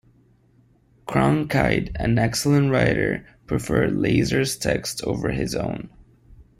Cronkite, an excellent writer, preferred Leiser's text over his own.